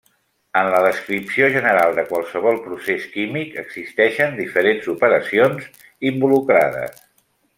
En la descripció general de qualsevol procés químic existeixen diferents operacions involucrades.